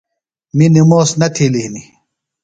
می نِموس نہ تھیلیۡ ہِنیۡ۔